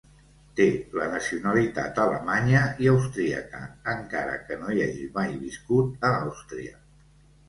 Té la nacionalitat alemanya i austríaca, encara que no hi hagi mai viscut a Àustria.